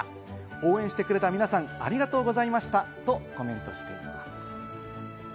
応援してくれた皆さん、ありがとうございました！とコメントしています。